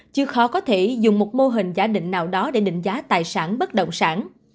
chưa khó có thể dùng một mô hình giả định nào đó để định giá tài sản bất động sản